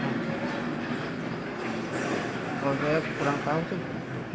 kalau saya kurang tahu sih